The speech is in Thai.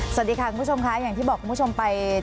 สวัสดีค่ะคุณผู้ชมค่ะอย่างที่บอกคุณผู้ชมไป